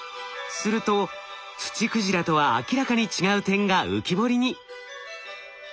するとツチクジラとは明らかに違う点が浮き彫りに。